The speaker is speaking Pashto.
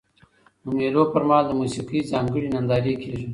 د مېلو پر مهال د موسیقۍ ځانګړي نندارې کیږي.